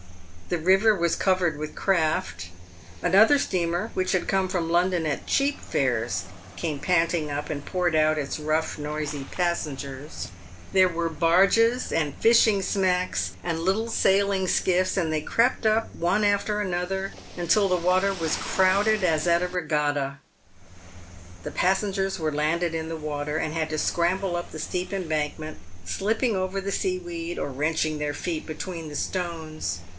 The river was covered with craft. Another steamer, which had come from London at cheap fares, came panting up, and poured out its rough, noisy passengers. There were barges, and fishing smacks, and little PAVED WITH GOLD. 187 sailing skiffs, and they crept up one after another until the water was crowded as at a regatta. The passengers were landed in the water, and had to scramble up the steep embankment, slipping over the sea weed or wrenching their feet between the stones.